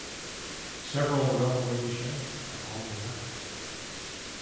Several railway sheds are on the yard.